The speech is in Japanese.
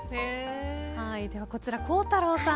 こちら、孝太郎さん